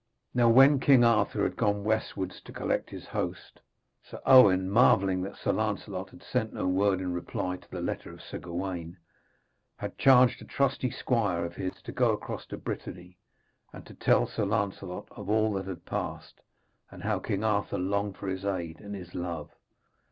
Now, when King Arthur had gone westwards to collect his host, Sir Owen, marvelling that Sir Lancelot had sent no word in reply to the letter of Sir Gawaine, had charged a trusty squire of his to go across to Brittany, to tell Sir Lancelot of all that had passed and how King Arthur longed for his aid and his love.